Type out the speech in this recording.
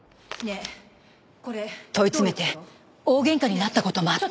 問い詰めて大喧嘩になった事もあって。